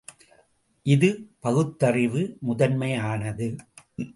இது பகுத்தறிவு முதன்மையானது.